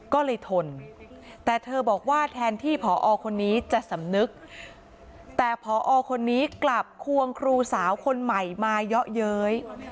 ก็เลยทนแต่เธอบอกว่าแทนที่ผอคนนี้จะสำนึกแต่พอคนนี้กลับควงครูสาวคนใหม่มาเยอะเย้ย